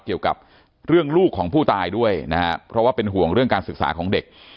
เกี่ยวกับเรื่องลูกของผู้ตายด้วยนะฮะเพราะว่าเป็นห่วงเรื่องการศึกษาของเด็ก